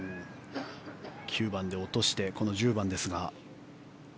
９番で落としてこの１０番ですが。